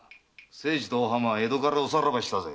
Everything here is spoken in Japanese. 清次とお浜は江戸からおさらばしたぜ。